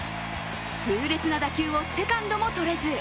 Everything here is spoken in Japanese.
痛烈な打球をセカンドもとれず。